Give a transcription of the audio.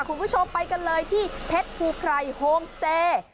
คุณผู้ชมไปกันเลยที่เพชรภูไพรโฮมสเตย์